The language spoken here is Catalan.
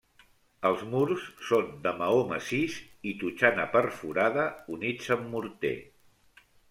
Els murs són de maó massís i totxana perforada units amb morter.